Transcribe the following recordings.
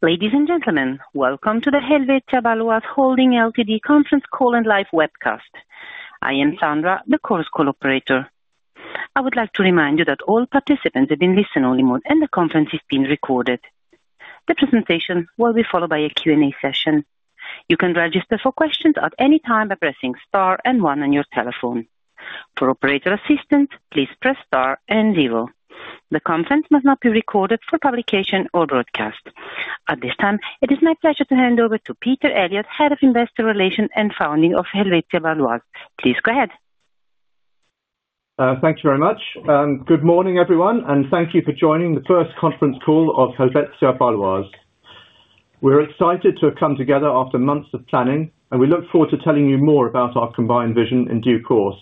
Ladies and gentlemen, welcome to Helvetia Baloise Holding Ltd Conference Call and Live Webcast. I am Sandra, the conference operator. I would like to remind you that all participants are in listen-only mode, and the conference is being recorded. The presentation will be followed by a Q&A session. You can register for questions at any time by pressing star and one on your telephone. For operator assistance, please press star and zero. The conference must not be recorded for publication or broadcast. At this time, it is my pleasure to hand over to Peter Eliot, Head of Investor Relations and Funding of Helvetia Baloise. please go ahead. Thank you very much. Good morning, everyone, and thank you for joining the first conference call of Helvetia Baloise. We're excited to have come together after months of planning, and we look forward to telling you more about our combined vision in due course.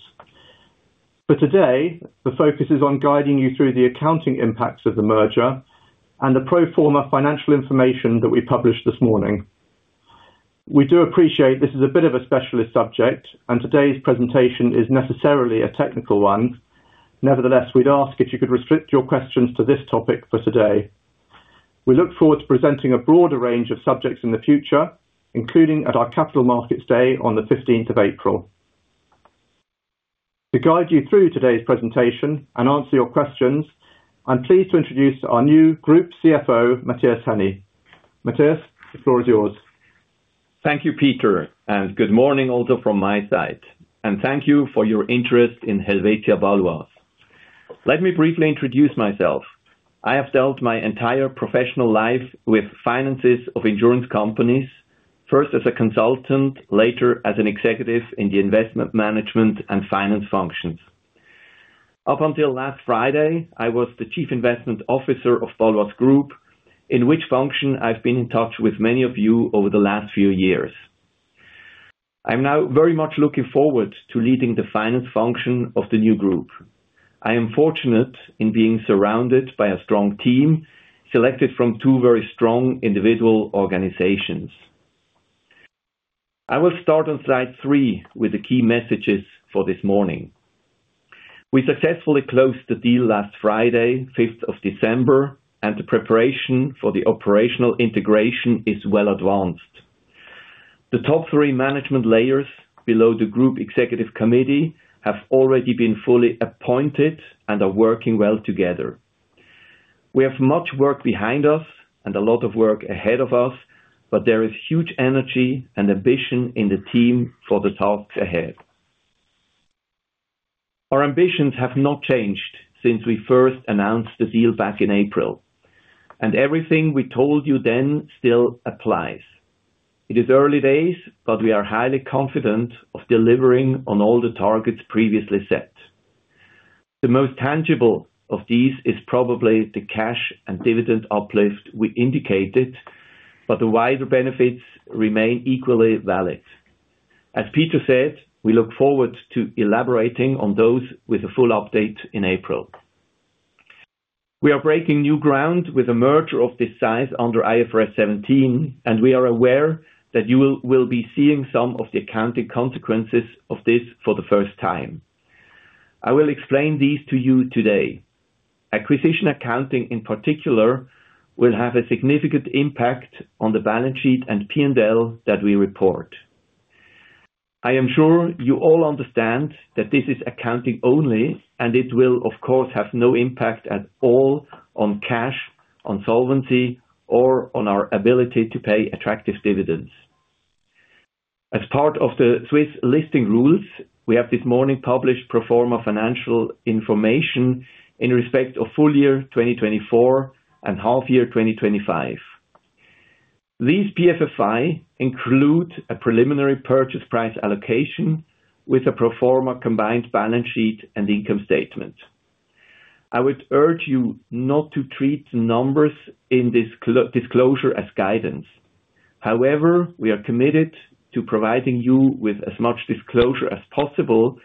For today, the focus is on guiding you through the accounting impacts of the merger and the pro forma financial information that we published this morning. We do appreciate this is a bit of a specialist subject, and today's presentation is necessarily a technical one. Nevertheless, we'd ask if you could restrict your questions to this topic for today. We look forward to presenting a broader range of subjects in the future, including at our Capital Markets Day on the 15th of April. To guide you through today's presentation and answer your questions, I'm pleased to introduce our new Group CFO, Matthias Henny. Matthias, the floor is yours. Thank you, Peter, and good morning also from my side, and thank you for your interest in Helvetia Baloise. Let me briefly introduce myself. I have dealt my entire professional life with finances of insurance companies, first as a consultant, later as an executive in the investment management and finance functions. Up until last Friday, I was the Chief Investment Officer of Baloise Group, in which function I've been in touch with many of you over the last few years. I'm now very much looking forward to leading the finance function of the new group. I am fortunate in being surrounded by a strong team selected from two very strong individual organizations. I will start on slide 3 with the key messages for this morning. We successfully closed the deal last Friday, 5th of December, and the preparation for the operational integration is well advanced. The top three management layers below the Group Executive Committee have already been fully appointed and are working well together. We have much work behind us and a lot of work ahead of us, but there is huge energy and ambition in the team for the tasks ahead. Our ambitions have not changed since we first announced the deal back in April, and everything we told you then still applies. It is early days, but we are highly confident of delivering on all the targets previously set. The most tangible of these is probably the cash and dividend uplift we indicated, but the wider benefits remain equally valid. As Peter said, we look forward to elaborating on those with a full update in April. We are breaking new ground with a merger of this size under IFRS 17, and we are aware that you will be seeing some of the accounting consequences of this for the first time. I will explain these to you today. Acquisition accounting, in particular, will have a significant impact on the balance sheet and P&L that we report. I am sure you all understand that this is accounting only, and it will, of course, have no impact at all on cash, on solvency, or on our ability to pay attractive dividends. As part of the Swiss listing rules, we have this morning published pro forma financial information in respect of Full Year 2024 and Half Year 2025. These PFFIs include a preliminary purchase price allocation with a pro forma combined balance sheet and income statement. I would urge you not to treat the numbers in this disclosure as guidance. However, we are committed to providing you with as much disclosure as possible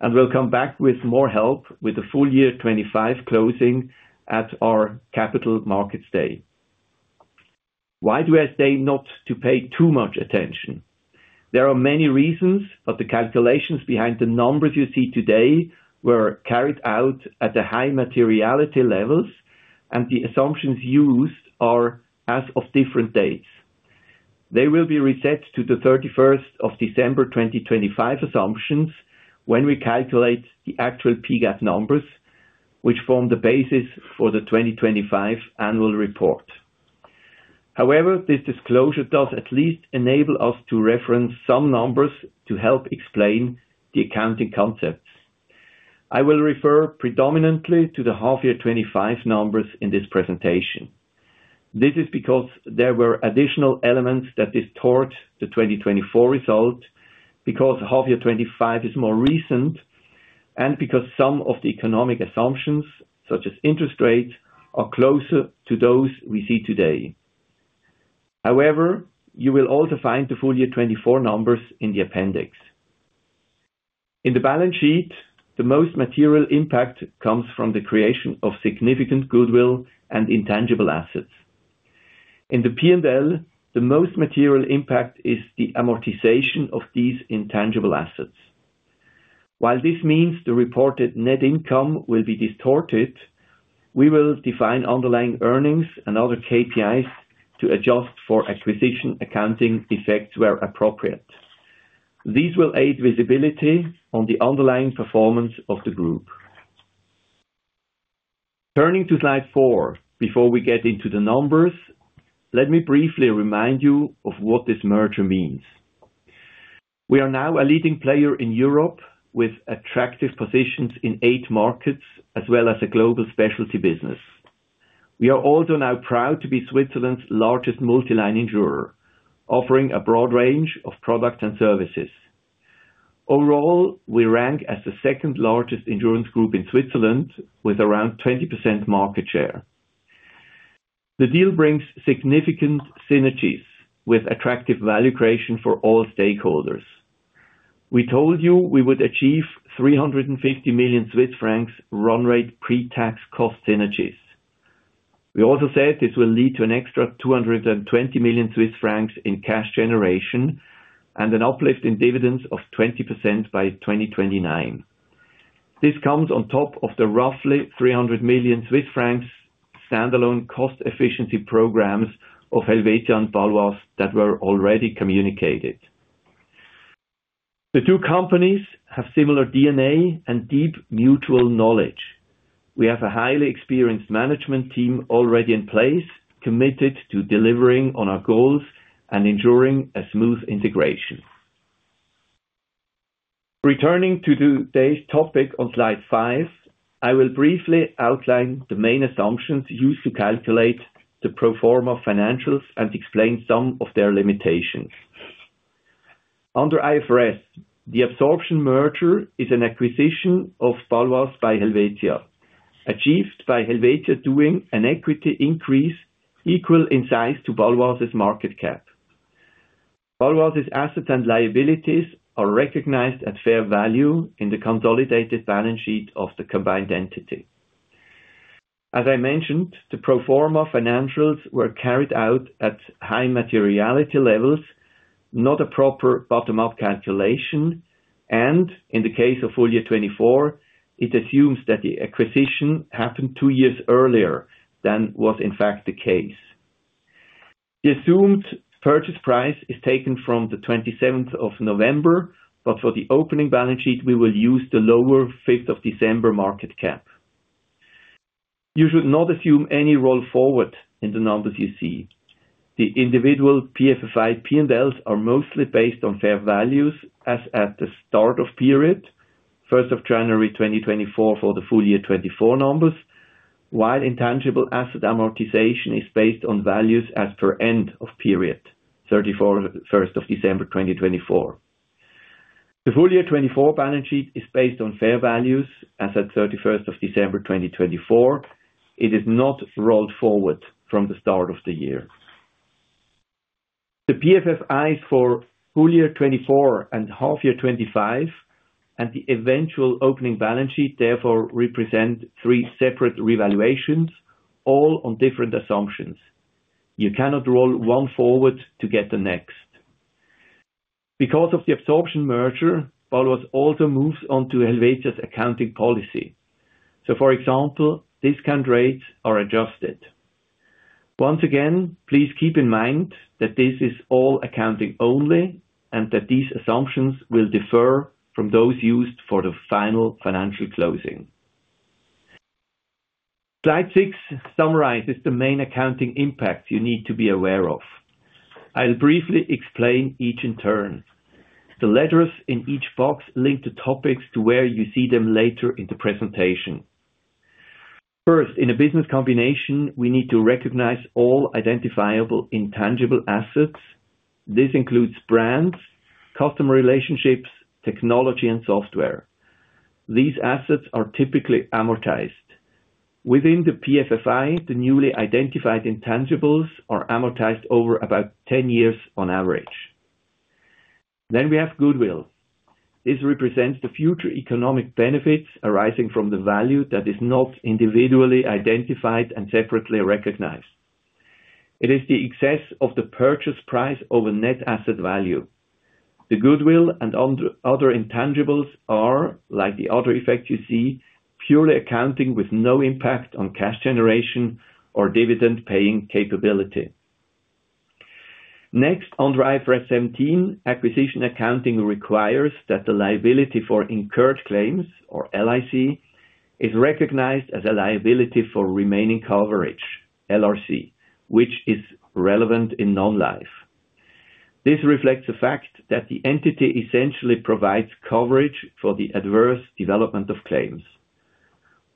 and will come back with more help with the full year 2025 closing at our Capital Markets Day. Why do I say not to pay too much attention? There are many reasons, but the calculations behind the numbers you see today were carried out at the high materiality levels, and the assumptions used are as of different dates. They will be reset to the 31st of December 2025 assumptions when we calculate the actual P-GAAP numbers, which form the basis for the 2025 annual report. However, this disclosure does at least enable us to reference some numbers to help explain the accounting concepts. I will refer predominantly to the Half Year 2025 numbers in this presentation. This is because there were additional elements that distort the 2024 result, because Half Year 2025 is more recent, and because some of the economic assumptions, such as interest rates, are closer to those we see today. However, you will also find the Full Year 2024 numbers in the appendix. In the balance sheet, the most material impact comes from the creation of significant goodwill and intangible assets. In the P&L, the most material impact is the amortization of these intangible assets. While this means the reported net income will be distorted, we will define underlying earnings and other KPIs to adjust for acquisition accounting effects where appropriate. These will aid visibility on the underlying performance of the group. Turning to slide 4 before we get into the numbers, let me briefly remind you of what this merger means. We are now a leading player in Europe with attractive positions in eight markets, as well as a global specialty business. We are also now proud to be Switzerland's largest multiline insurer, offering a broad range of products and services. Overall, we rank as the second largest insurance group in Switzerland with around 20% market share. The deal brings significant synergies with attractive value creation for all stakeholders. We told you we would achieve 350 million Swiss francs run rate pre-tax cost synergies. We also said this will lead to an extra 220 million Swiss francs in cash generation and an uplift in dividends of 20% by 2029. This comes on top of the roughly 300 million Swiss francs standalone cost efficiency programs of Helvetia and Baloise that were already communicated. The two companies have similar DNA and deep mutual knowledge. We have a highly experienced management team already in place, committed to delivering on our goals and ensuring a smooth integration. Returning to today's topic on slide 5, I will briefly outline the main assumptions used to calculate the pro forma financials and explain some of their limitations. Under IFRS, the absorption merger is an acquisition of Baloise by Helvetia, achieved by Helvetia doing an equity increase equal in size to Baloise's market cap. Baloise's assets and liabilities are recognized at fair value in the consolidated balance sheet of the combined entity. As I mentioned, the pro forma financials were carried out at high materiality levels, not a proper bottom-up calculation, and in the case of Full Year 2024, it assumes that the acquisition happened two years earlier than was in fact the case. The assumed purchase price is taken from the 27th of November, but for the opening balance sheet, we will use the lower 5th of December market cap. You should not assume any roll forward in the numbers you see. The individual PFFIs P&Ls are mostly based on fair values as at the start of period, 1st of January 2024 for the Full Year 2024 numbers, while intangible asset amortization is based on values as per end of period, 31st of December 2024. The Full Year 2024 balance sheet is based on fair values as at 31st of December 2024. It is not rolled forward from the start of the year. The PFFIss for Full Year 2024 and Half Year 2025 and the eventual opening balance sheet therefore represent three separate revaluations, all on different assumptions. You cannot roll one forward to get the next. Because of the absorption merger, Baloise also moves on to Helvetia's accounting policy. So, for example, discount rates are adjusted. Once again, please keep in mind that this is all accounting only and that these assumptions will differ from those used for the final financial closing. Slide 6 summarizes the main accounting impacts you need to be aware of. I'll briefly explain each in turn. The letters in each box link to topics to where you see them later in the presentation. First, in a business combination, we need to recognize all identifiable intangible assets. This includes brands, customer relationships, technology, and software. These assets are typically amortized. Within the PFFIs, the newly identified intangibles are amortized over about 10 years on average. Then we have goodwill. This represents the future economic benefits arising from the value that is not individually identified and separately recognized. It is the excess of the purchase price over net asset value. The goodwill and other intangibles are, like the other effect you see, purely accounting with no impact on cash generation or dividend paying capability. Next, under IFRS 17, acquisition accounting requires that the Liability for Incurred Claims, or LIC, is recognized as a Liability for Remaining Coverage, LRC, which is relevant in non-life. This reflects the fact that the entity essentially provides coverage for the adverse development of claims.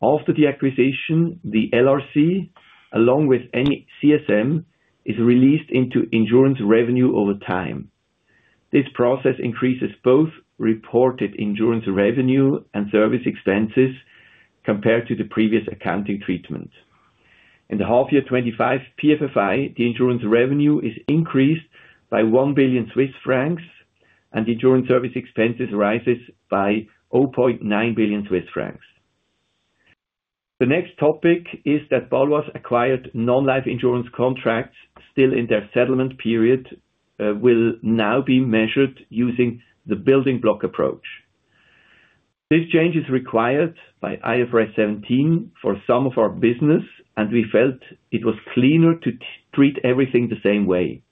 After the acquisition, the LRC, along with any CSM, is released into insurance revenue over time. This process increases both reported insurance revenue and service expenses compared to the previous accounting treatment. In the half-year 2025 PFFIs, the insurance revenue is increased by 1 billion Swiss francs, and the insurance service expenses rise by 0.9 billion Swiss francs. The next topic is that Baloise acquired non-life insurance contracts still in their settlement period will now be measured using the Building Block Approach. This change is required by IFRS 17 for some of our business, and we felt it was cleaner to treat everything the same way.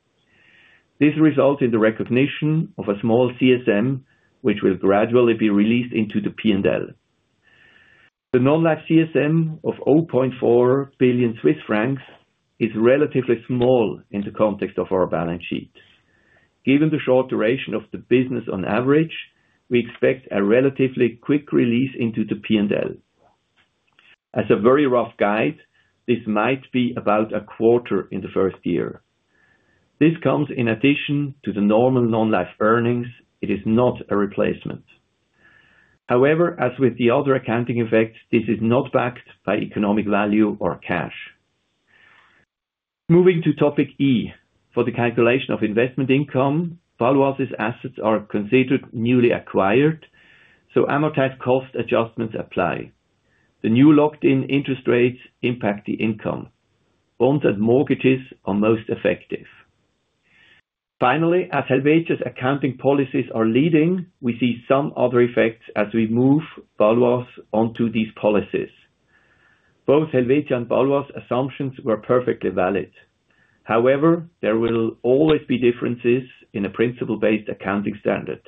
This results in the recognition of a small CSM, which will gradually be released into the P&L. The non-life CSM of 0.4 billion Swiss francs is relatively small in the context of our balance sheet. Given the short duration of the business on average, we expect a relatively quick release into the P&L. As a very rough guide, this might be about a quarter in the first year. This comes in addition to the normal non-life earnings. It is not a replacement. However, as with the other accounting effects, this is not backed by economic value or cash. Moving to topic E, for the calculation of investment income, Baloise's assets are considered newly acquired, so amortized cost adjustments apply. The new locked-in interest rates impact the income. Bonds and mortgages are most effective. Finally, as Helvetia's accounting policies are leading, we see some other effects as we move Baloise onto these policies. Both Helvetia and Baloise assumptions were perfectly valid. However, there will always be differences in a principle-based accounting standard.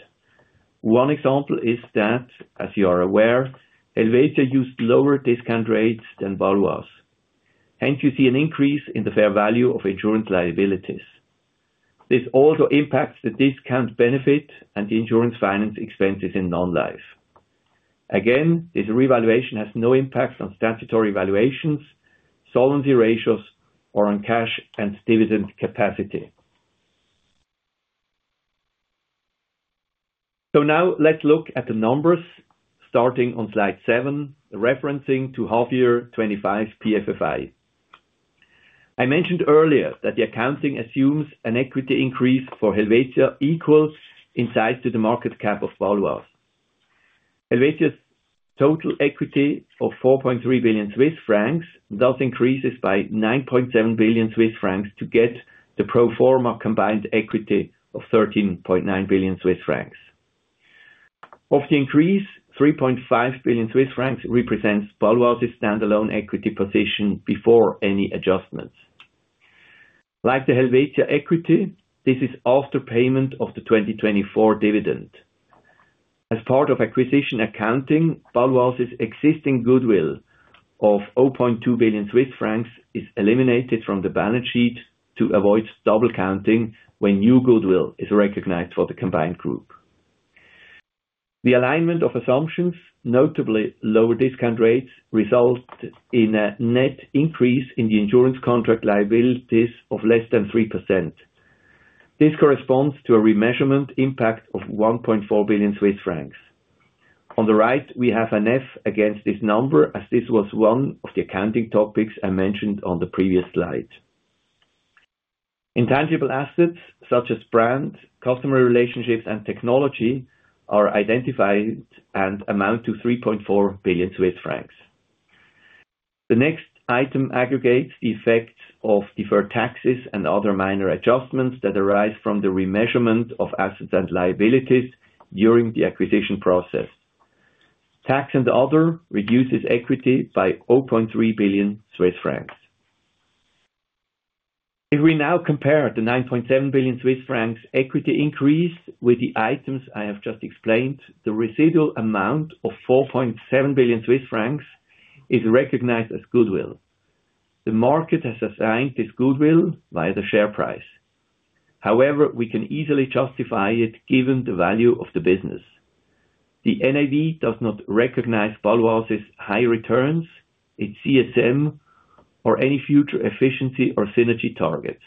One example is that, as you are aware, Helvetia used lower discount rates than Baloise. Hence, you see an increase in the fair value of insurance liabilities. This also impacts the discount benefit and the insurance finance expenses in non-life. Again, this revaluation has no impact on statutory valuations, solvency ratios, or on cash and dividend capacity. So now let's look at the numbers starting on slide 7, referencing to Half Year 2025 PFFIs. I mentioned earlier that the accounting assumes an equity increase for Helvetia equals in size to the market cap of Baloise. Helvetia's total equity of 4.3 billion Swiss francs thus increases by 9.7 billion Swiss francs to get the pro forma combined equity of 13.9 billion Swiss francs. Of the increase, 3.5 billion Swiss francs represents Baloise's standalone equity position before any adjustments. Like the Helvetia equity, this is after payment of the 2024 dividend. As part of acquisition accounting, Baloise's existing goodwill of 0.2 billion Swiss francs is eliminated from the balance sheet to avoid double counting when new goodwill is recognized for the combined group. The alignment of assumptions, notably lower discount rates, results in a net increase in the Insurance Contract Liabilities of less than 3%. This corresponds to a remeasurement impact of 1.4 billion Swiss francs. On the right, we have an F against this number as this was one of the accounting topics I mentioned on the previous slide. Intangible assets such as brands, customer relationships, and technology are identified and amount to 3.4 billion Swiss francs. The next item aggregates the effects of deferred taxes and other minor adjustments that arise from the remeasurement of assets and liabilities during the acquisition process. Tax and other reduces equity by 0.3 billion Swiss francs. If we now compare the 9.7 billion Swiss francs equity increase with the items I have just explained, the residual amount of 4.7 billion Swiss francs is recognized as goodwill. The market has assigned this goodwill via the share price. However, we can easily justify it given the value of the business. The NAV does not recognize Baloise's high returns, its CSM, or any future efficiency or synergy targets.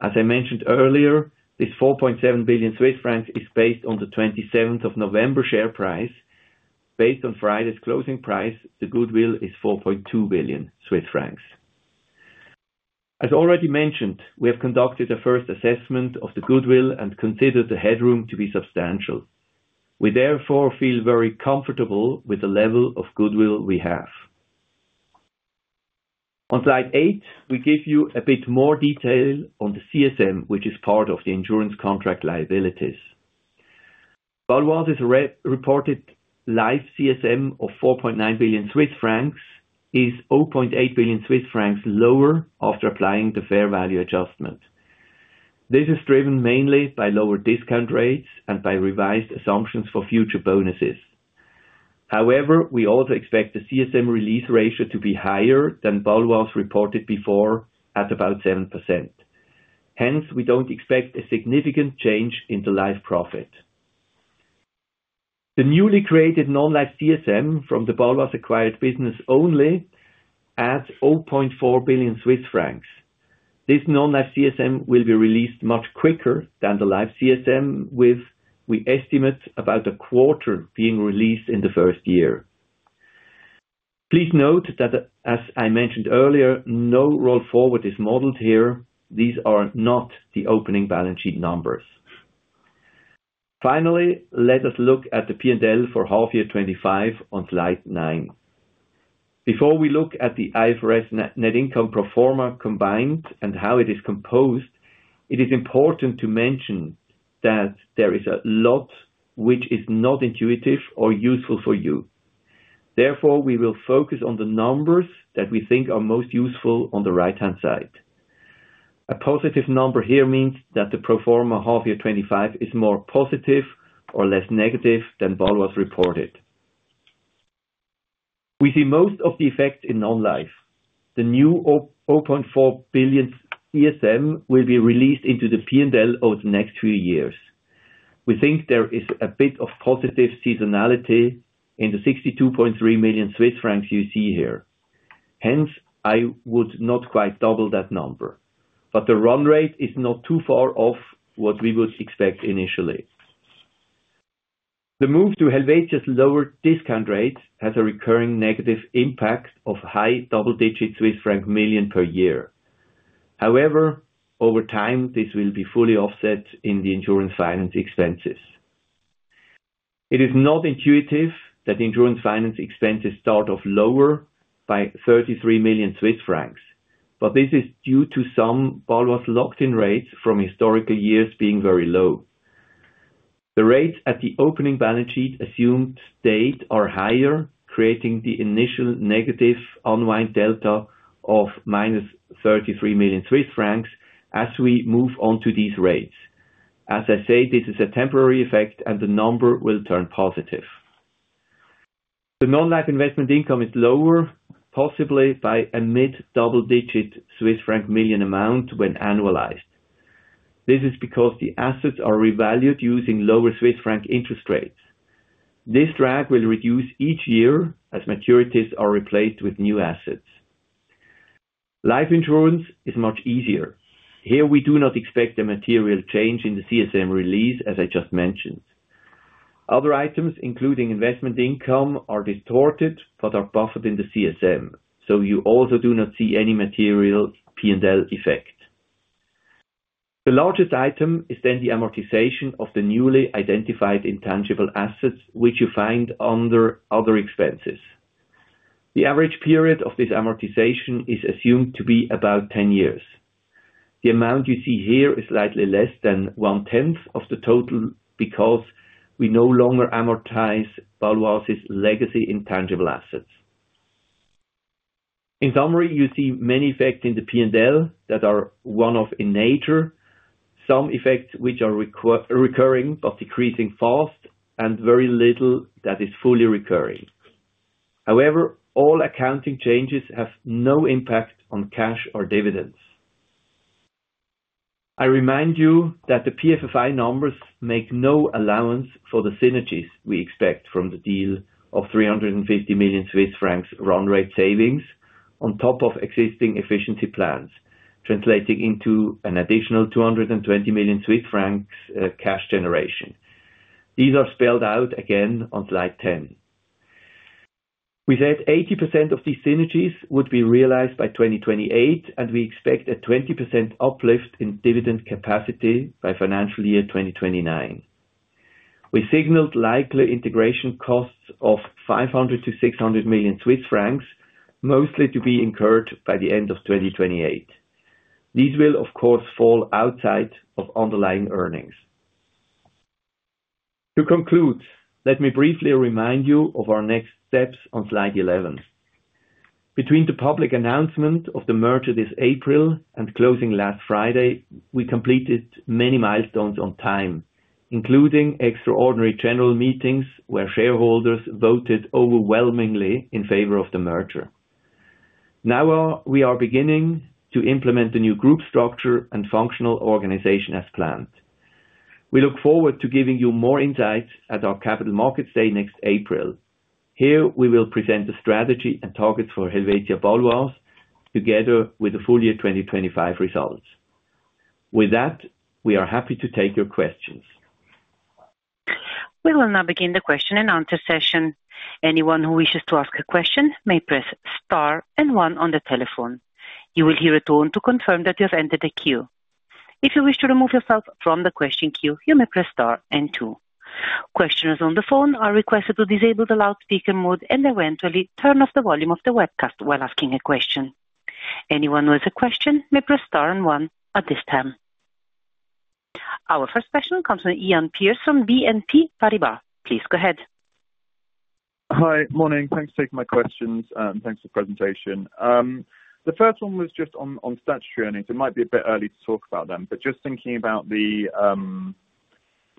As I mentioned earlier, this 4.7 billion Swiss francs is based on the 27th of November share price. Based on Friday's closing price, the goodwill is 4.2 billion Swiss francs. As already mentioned, we have conducted a first assessment of the goodwill and considered the headroom to be substantial. We therefore feel very comfortable with the level of goodwill we have. On slide 8, we give you a bit more detail on the CSM, which is part of the insurance contract liabilities. Baloise's reported life CSM of 4.9 billion Swiss francs is 0.8 billion Swiss francs lower after applying the fair value adjustment. This is driven mainly by lower discount rates and by revised assumptions for future bonuses. However, we also expect the CSM release ratio to be higher than Baloise reported before at about 7%. Hence, we don't expect a significant change in the life profit. The newly created non-life CSM from the Baloise acquired business only adds 0.4 billion Swiss francs. This non-life CSM will be released much quicker than the life CSM, with, we estimate, about a quarter being released in the first year. Please note that, as I mentioned earlier, no roll forward is modeled here. These are not the opening balance sheet numbers. Finally, let us look at the P&L for Half Year 2025 on slide 9. Before we look at the IFRS net income pro forma combined and how it is composed, it is important to mention that there is a lot which is not intuitive or useful for you. Therefore, we will focus on the numbers that we think are most useful on the right-hand side. A positive number here means that the pro forma Half Year 2025 is more positive or less negative than Baloise reported. We see most of the effect in non-life. The new 0.4 billion CSM will be released into the P&L over the next few years. We think there is a bit of positive seasonality in the 62.3 million Swiss francs you see here. Hence, I would not quite double that number, but the run rate is not too far off what we would expect initially. The move to Helvetia's lower discount rate has a recurring negative impact of high double-digit million CHF per year. However, over time, this will be fully offset in the insurance finance expenses. It is not intuitive that insurance finance expenses start off lower by 33 million Swiss francs, but this is due to some Baloise locked-in rates from historical years being very low. The rates at the opening balance sheet assumed date are higher, creating the initial negative unwind delta of minus 33 million Swiss francs as we move on to these rates. As I say, this is a temporary effect, and the number will turn positive. The non-life investment income is lower, possibly by a mid-double-digit Swiss franc million amount when annualized. This is because the assets are revalued using lower Swiss franc interest rates. This drag will reduce each year as maturities are replaced with new assets. Life insurance is much easier. Here, we do not expect a material change in the CSM release, as I just mentioned. Other items, including investment income, are distorted but are buffered in the CSM, so you also do not see any material P&L effect. The largest item is then the amortization of the newly identified intangible assets, which you find under other expenses. The average period of this amortization is assumed to be about 10 years. The amount you see here is slightly less than one-tenth of the total because we no longer amortize Baloise's legacy intangible assets. In summary, you see many effects in the P&L that are one-off in nature, some effects which are recurring but decreasing fast, and very little that is fully recurring. However, all accounting changes have no impact on cash or dividends. I remind you that the PFFIs numbers make no allowance for the synergies we expect from the deal of 350 million Swiss francs run rate savings on top of existing efficiency plans, translating into an additional 220 million Swiss francs cash generation. These are spelled out again on slide 10. We said 80% of these synergies would be realized by 2028, and we expect a 20% uplift in dividend capacity by financial year 2029. We signaled likely integration costs of 500 million-600 million Swiss francs, mostly to be incurred by the end of 2028. These will, of course, fall outside of underlying earnings. To conclude, let me briefly remind you of our next steps on slide 11. Between the public announcement of the merger this April and closing last Friday, we completed many milestones on time, including extraordinary general meetings where shareholders voted overwhelmingly in favor of the merger. Now we are beginning to implement the new group structure and functional organization as planned. We look forward to giving you more insights at our Capital Markets Day next April. Here, we will present the strategy and targets for Helvetia Baloise together with the full year 2025 results. With that, we are happy to take your questions. We will now begin the question and answer session. Anyone who wishes to ask a question may press star and one on the telephone. You will hear a tone to confirm that you have entered the queue. If you wish to remove yourself from the question queue, you may press star and two. Questioners on the phone are requested to disable the loudspeaker mode and eventually turn off the volume of the webcast while asking a question. Anyone who has a question may press star and one at this time. Our first question comes from Iain Pearce from BNP Paribas. Please go ahead. Hi, morning. Thanks for taking my questions, and thanks for the presentation. The first one was just on statutory earnings. It might be a bit early to talk about them, but just thinking about the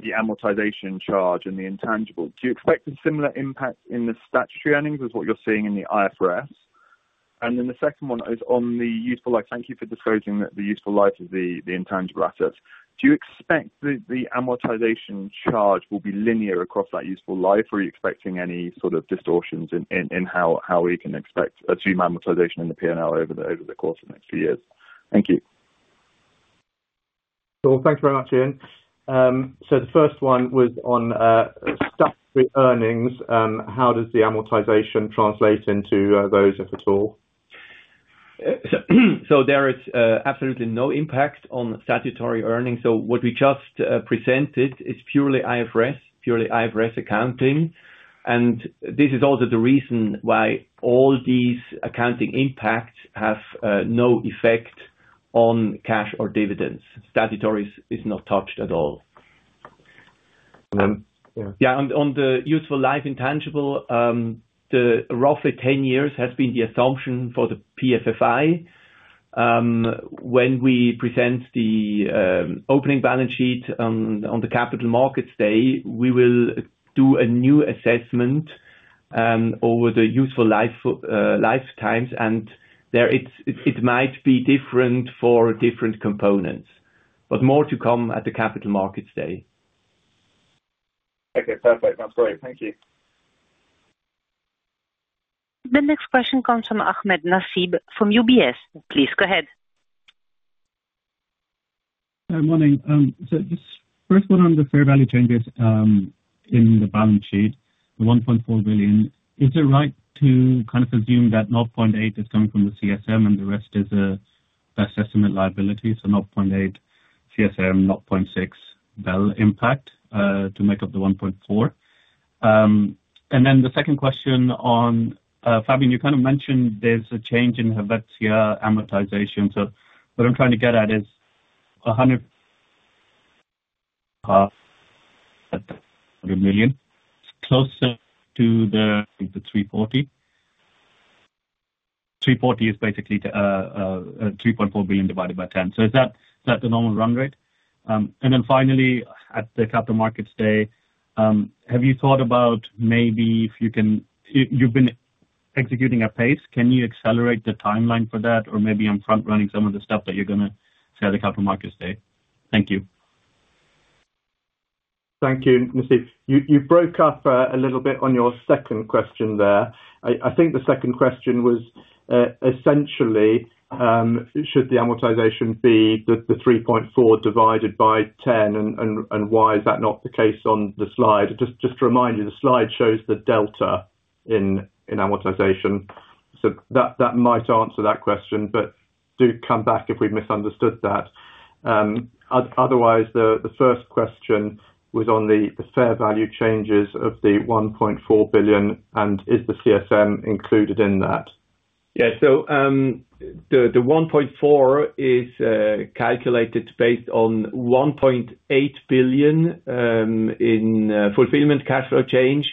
amortization charge and the intangible, do you expect a similar impact in the statutory earnings as what you're seeing in the IFRS? And then the second one is on the useful life. Thank you for disclosing that the useful life is the intangible asset. Do you expect that the amortization charge will be linear across that useful life, or are you expecting any sort of distortions in how we can expect to amortization in the P&L over the course of the next few years? Thank you. Cool. Thanks very much, Ian. So the first one was on statutory earnings. How does the amortization translate into those, if at all? So there is absolutely no impact on statutory earnings. So what we just presented is purely IFRS, purely IFRS accounting. This is also the reason why all these accounting impacts have no effect on cash or dividends. Statutory is not touched at all. Yeah. On the useful life intangible, the roughly 10 years has been the assumption for the PFFIs. When we present the opening balance sheet on the Capital Markets Day, we will do a new assessment over the useful lifetimes, and there it might be different for different components, but more to come at the Capital Markets Day. Okay. Perfect. That's great. Thank you. The next question comes from Ahmed Nasib from UBS. Please go ahead. Morning. So this first one on the fair value changes in the balance sheet, the 1.4 billion, is it right to kind of assume that 0.8 billion is coming from the CSM and the rest is a best estimate liability? So 0.8 billion CSM, 0.6 billion BEL impact to make up the 1.4 billion. And then the second question on Matthias, you kind of mentioned there's a change in Helvetia amortization. So what I'm trying to get at is 150 million closer to the 340. 340 is basically 3.4 billion divided by 10. So is that the normal run rate? And then finally, at the Capital Markets Day, have you thought about maybe if you can you've been executing at pace. Can you accelerate the timeline for that, or maybe I'm front-running some of the stuff that you're going to say at the Capital Markets Day? Thank you. Thank you, Nasib. You broke up a little bit on your second question there. I think the second question was essentially, should the amortization be the 3.4 divided by 10, and why is that not the case on the slide? Just to remind you, the slide shows the delta in amortization. That might answer that question, but do come back if we've misunderstood that. Otherwise, the first question was on the fair value changes of the 1.4 billion, and is the CSM included in that? Yeah. So the 1.4 billion is calculated based on 1.8 billion in fulfillment cash flow change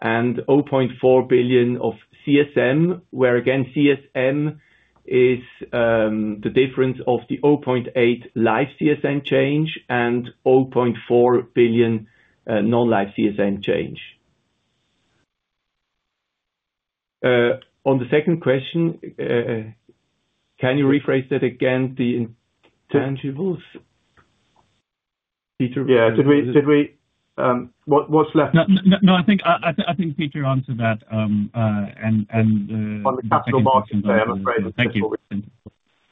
and 0.4 billion of CSM, where again, CSM is the difference of the 0.8 life CSM change and 0.4 billion non-life CSM change. On the second question, can you rephrase that again, the intangibles? Peter? Yeah. Did we? What's left? No, I think Peter answered that. And on the Capital Markets Day, I'm afraid it's not for reading.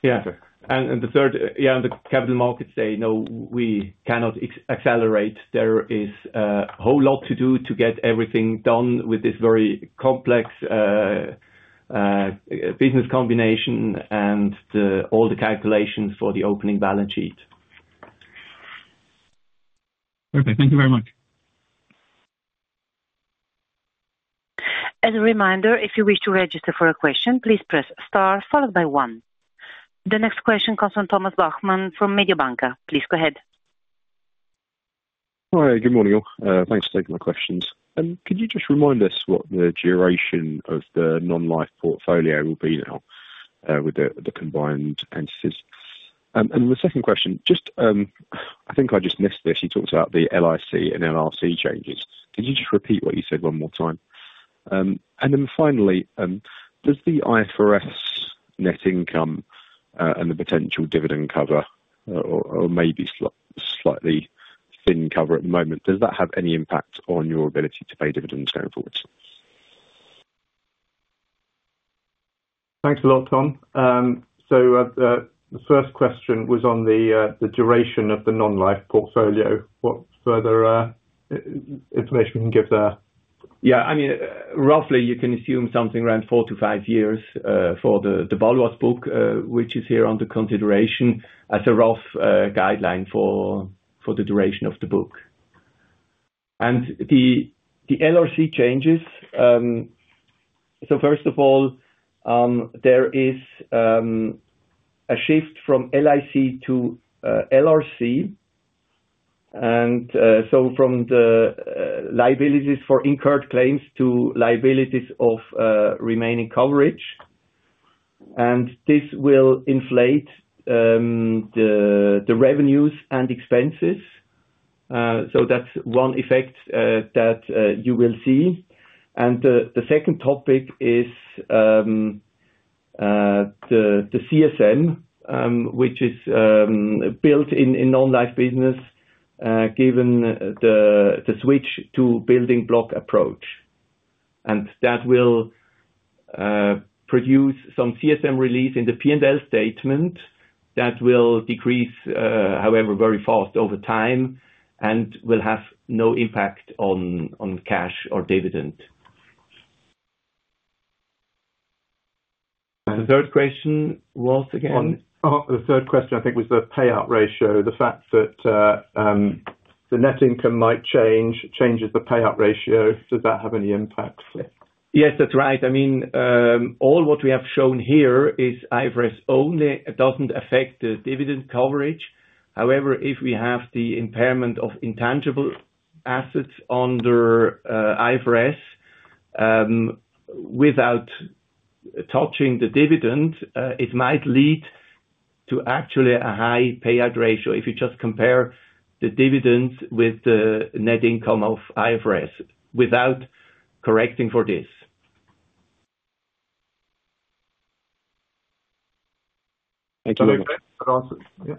Yeah. And the third, yeah, on the Capital Markets Day, no, we cannot accelerate. There is a whole lot to do to get everything done with this very complex business combination and all the calculations for the opening balance sheet. Perfect. Thank you very much. As a reminder, if you wish to register for a question, please press star followed by one. The next question comes from Tommaso Bachmann from Mediobanca. Please go ahead. Hi. Good morning, all. Thanks for taking my questions. And could you just remind us what the duration of the non-life portfolio will be now with the combined entities? And then the second question, I think I just missed this. You talked about the LIC and LRC changes. Could you just repeat what you said one more time? And then finally, does the IFRS net income and the potential dividend cover or maybe slightly thin cover at the moment, does that have any impact on your ability to pay dividends going forward? Thanks a lot, Tom. So the first question was on the duration of the non-life portfolio. What further information we can give there? Yeah. I mean, roughly, you can assume something around four-to-five years for the Baloise book, which is here under consideration as a rough guideline for the duration of the book. And the LRC changes. So first of all, there is a shift from LIC to LRC, and so from the liabilities for incurred claims to liabilities of remaining coverage. And this will inflate the revenues and expenses. So that's one effect that you will see. And the second topic is the CSM, which is built in non-life business given the switch to Building Block Approach. And that will produce some CSM release in the P&L statement that will decrease, however, very fast over time and will have no impact on cash or dividend. And the third question was again? The third question, I think, was the payout ratio. The fact that the net income might change, changes the payout ratio. Does that have any impact? Yes, that's right. I mean, all what we have shown here is IFRS only doesn't affect the dividend coverage. However, if we have the impairment of intangible assets under IFRS without touching the dividend, it might lead to actually a high payout ratio if you just compare the dividends with the net income of IFRS without correcting for this. Thank you very much. That's awesome. Yeah.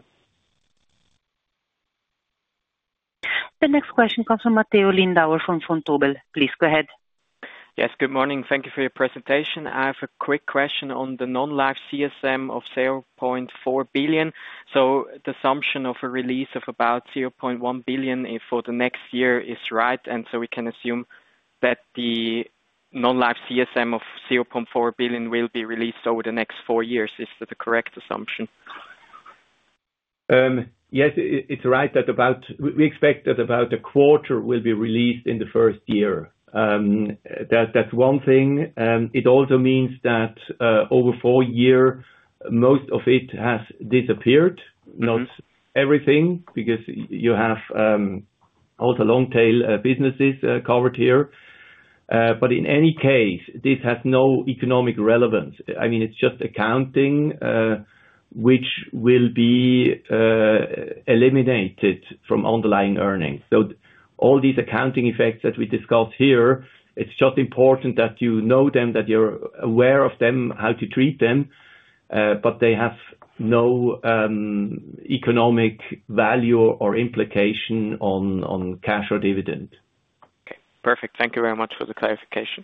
The next question comes from Matteo Lindauer from Vontobel. Please go ahead. Yes. Good morning. Thank you for your presentation. I have a quick question on the non-life CSM of 0.4 billion. The assumption of a release of about 0.1 billion for the next year is right, and so we can assume that the non-life CSM of 0.4 billion will be released over the next four years. Is that the correct assumption? Yes, it's right that we expect that about a quarter will be released in the first year. That's one thing. It also means that over four years, most of it has disappeared, not everything, because you have also long-tail businesses covered here. But in any case, this has no economic relevance. I mean, it's just accounting, which will be eliminated from underlying earnings. So all these accounting effects that we discussed here, it's just important that you know them, that you're aware of them, how to treat them, but they have no economic value or implication on cash or dividend. Okay. Perfect. Thank you very much for the clarification.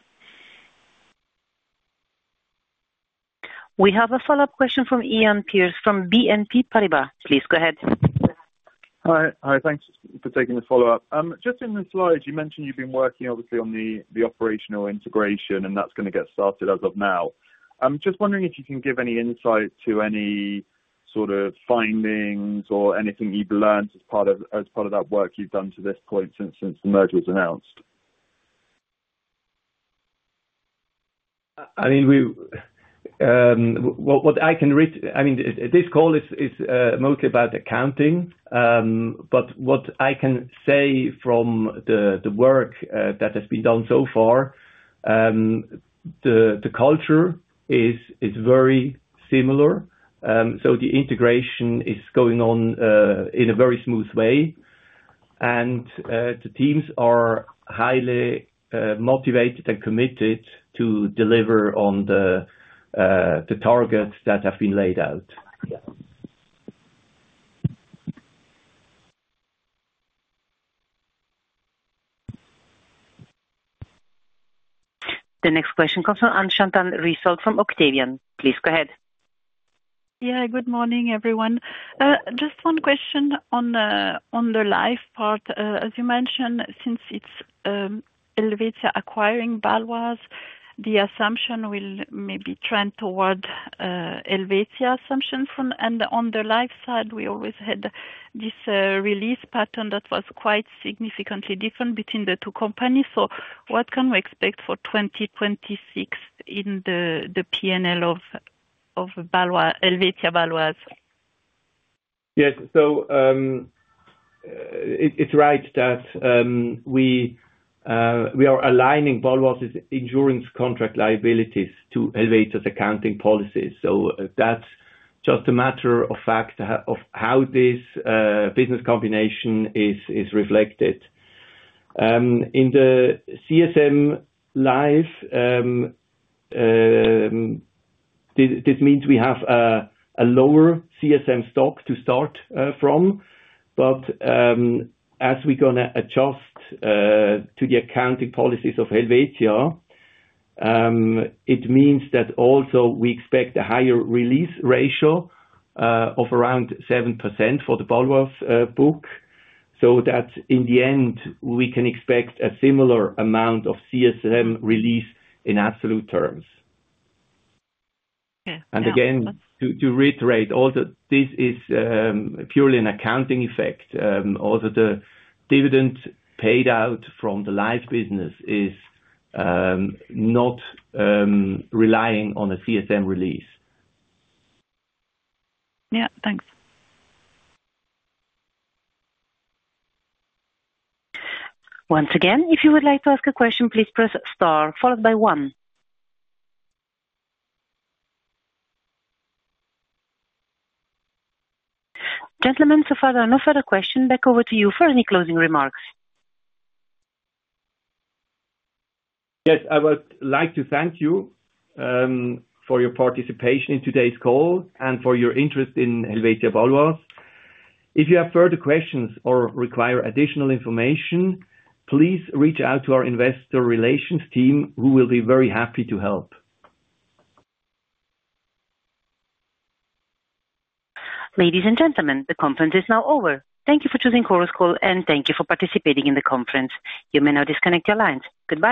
We have a follow-up question from Ian Pearce from BNP Paribas. Please go ahead. Hi. Hi. Thanks for taking the follow-up. Just in the slides, you mentioned you've been working, obviously, on the operational integration, and that's going to get started as of now. I'm just wondering if you can give any insight to any sort of findings or anything you've learned as part of that work you've done to this point since the merger was announced. I mean, what I can say. I mean, this call is mostly about accounting, but what I can say from the work that has been done so far, the culture is very similar. So the integration is going on in a very smooth way, and the teams are highly motivated and committed to deliver on the targets that have been laid out. The next question comes from Anshanthan Risol from Octavian. Please go ahead. Yeah. Good morning, everyone. Just one question on the life part. As you mentioned, since it's Helvetia acquiring Baloise, the assumption will maybe trend toward Helvetia assumptions. And on the life side, we always had this release pattern that was quite significantly different between the two companies. So what can we expect for 2026 in the P&L of Helvetia Baloise? Yes. So it's right that we are aligning Baloise's insurance contract liabilities to Helvetia's accounting policies. So that's just a matter of fact of how this business combination is reflected. In the CSM life, this means we have a lower CSM stock to start from. But as we're going to adjust to the accounting policies of Helvetia, it means that also we expect a higher release ratio of around 7% for the Baloise book. So that in the end, we can expect a similar amount of CSM release in absolute terms. And again, to reiterate, although this is purely an accounting effect, although the dividend paid out from the life business is not relying on a CSM release. Yeah. Thanks. Once again, if you would like to ask a question, please press star followed by one. Gentlemen, so far, there are no further questions. Back over to you for any closing remarks. Yes. I would like to thank you for your participation in today's call and for your interest in Baloise. If you have further questions or require additional information, please reach out to our investor relations team, who will be very happy to help. Ladies and gentlemen, the conference is now over. Thank you for choosing Chorus Call, and thank you for participating in the conference. You may now disconnect your lines. Goodbye.